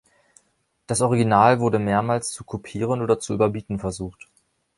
Das Original wurde mehrmals zu kopieren oder zu überbieten versucht.